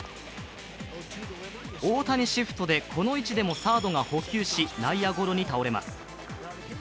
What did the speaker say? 大谷シフトでこの位置でもサードが捕球し、内野ゴロに倒れます。